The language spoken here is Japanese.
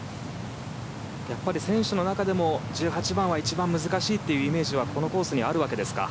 選手の中でも１８番は一番難しいというイメージはこのコースにあるわけですか？